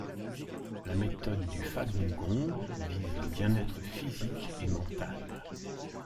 La méthode du Falun Gong vise le bien-être physique et mental.